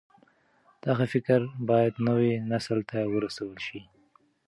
د هغه فکر بايد نوي نسل ته ورسول شي.